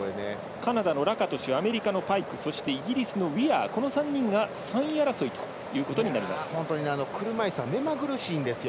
カナダのラカトシュアメリカのパイクそして、イギリスのウィアーこの３人が本当に車いすは目まぐるしいんですよ。